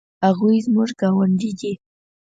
هغوی زموږ ګاونډي دي